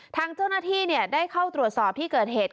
ทางเจ้าหน้าที่ได้เข้าตรวจสอบที่เกิดเหตุ